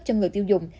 cho người tiêu dùng